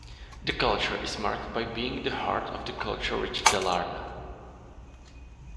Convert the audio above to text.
The culture is marked by being in the heart of the culture rich Dalarna.